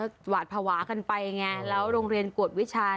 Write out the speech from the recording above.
ก็หวาดภาวะกันไปไงแล้วโรงเรียนกวดวิชา